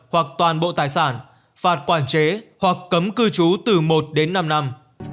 hoặc toàn bộ tài sản phạt quản chế hoặc cấm cư trú từ một đến năm năm